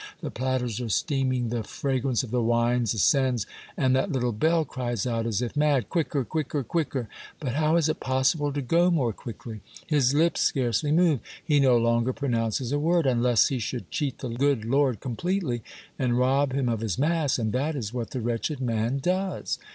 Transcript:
the platters are steaming, the fra grance of the wines ascends, and that little bell cries out as if mad, —Quicker, quicker, quicker !" But how is it possible to go more quickly? His lips scarcely move. He no longer pronounces a word. Unless he should cheat the good Lord com pletely and rob Him of His mass? — and that is what the wretched man does.